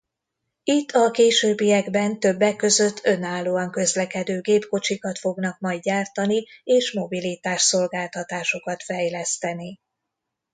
Itt a későbbiekben többek között önállóan közlekedő gépkocsikat fognak majd gyártani és mobilitás-szolgáltatásokat fejleszteni.